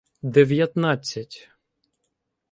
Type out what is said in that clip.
Дев'ятнадцять